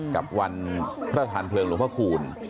กับวันอาจารย์เพลิงหลวงพระคูณ